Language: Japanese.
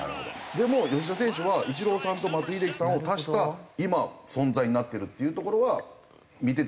でも吉田選手はイチローさんと松井秀喜さんを足した今存在になってるっていうところは見てたら思いますね。